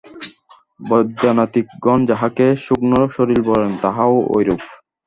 বৈদান্তিকগণ যাহাকে সূক্ষ্মশরীর বলেন, তাহাও ঐরূপ।